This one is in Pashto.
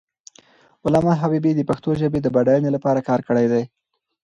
علامه حبیبي د پښتو ژبې د بډاینې لپاره کار کړی دی.